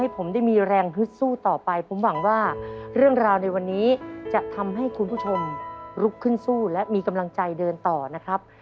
ผมหวังว่าเรื่องราวในวันนี้จะทำให้คุณผู้ชมลุกขึ้นสู้และมีกำลังใจเดินต่อนะครับ